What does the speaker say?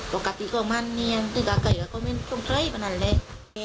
ปกติก็มั่นเนี่ยถึงกับเก่งก็ไม่ตรงเท้ยมานั่นเลย